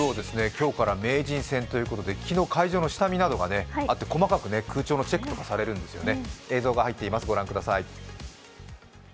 今日から名人戦ということで昨日、会場の下見などがあり細かく空調のチェックとかされるんですよね。